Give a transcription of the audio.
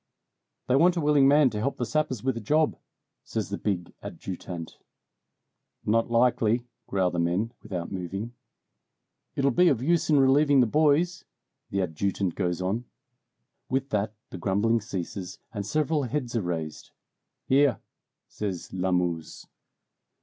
"They want a willing man to help the sappers with a job," says the big adjutant. "Not likely!" growl the men, without moving. "It'll be of use in relieving the boys," the adjutant goes on. With that the grumbling ceases, and several heads are raised. "Here!" says Lamuse.